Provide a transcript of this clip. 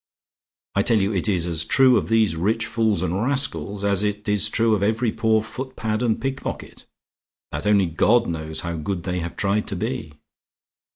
I tell you it is as true of these rich fools and rascals as it is true of every poor footpad and pickpocket; that only God knows how good they have tried to be.